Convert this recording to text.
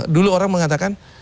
dulu orang mengatakan